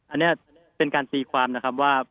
อันนี้เป็นการตีความนะครับว่า